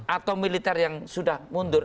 atau militer yang sudah mundur